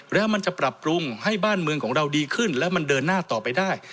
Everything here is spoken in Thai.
แล้วมันจะปรับปรุงให้บ้านเมืองของเราดีขึ้นแล้วมันเดินหน้าต่อไปได้